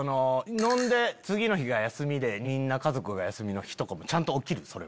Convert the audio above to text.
飲んで次の日が休みで家族が休みの日ちゃんと起きる？